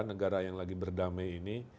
negara yang lagi berdamai ini